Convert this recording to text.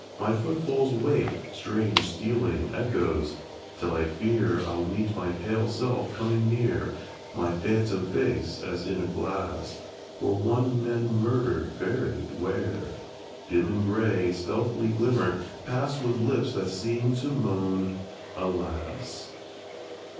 My footfalls wake Strange stealing echoes, till I fear I'll meet my pale self coming near; My phantom face as in a glass; Or one men murdered, buried where? Dim in gray, stealthy glimmer, pass With lips that seem to moan "Alas."